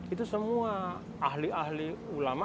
itu semua ahli ahli ulama